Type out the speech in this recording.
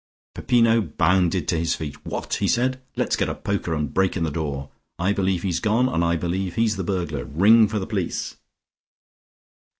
Peppino bounded to his feet. "What?" he said. "Let's get a poker and break in the door! I believe he's gone and I believe he's the burglar. Ring for the police."